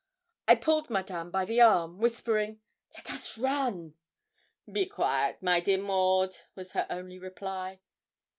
I pulled Madame by the arm, whispering, 'Let us run.' 'Be quaite, my dear Maud,' was her only reply.